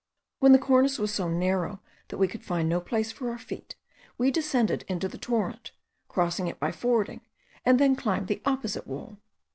When the cornice was so narrow that we could find no place for our feet, we descended into the torrent, crossed it by fording, and then climbed the opposite wall.